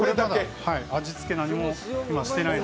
味付け、何もしてないので。